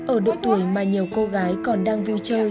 ở độ tuổi mà nhiều cô gái còn đang vui chơi